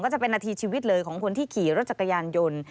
จะเป็นนาทีชีวิตเลยของคนที่ขี่รถจักรยานยนต์